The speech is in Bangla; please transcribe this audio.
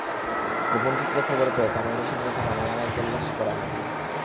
গোপন সূত্রে খবর পেয়ে কামালের সঙ্গে থাকা মালামাল তল্লাশি করা হয়।